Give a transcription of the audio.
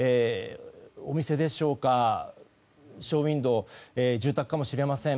お店でしょうかショーウィンドー住宅かもしれません。